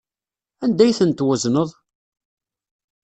Anda ay tent-twezneḍ?